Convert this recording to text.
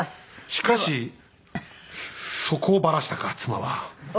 しかしそこをばらしたか妻は。